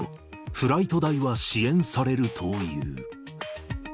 フライト代は支援されるという。